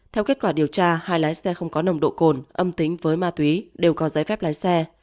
theo kết quả điều tra hai lái xe không có nồng độ cồn âm tính với ma túy đều có giấy phép lái xe